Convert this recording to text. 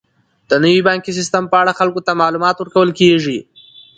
د نوي بانکي سیستم په اړه خلکو ته معلومات ورکول کیږي.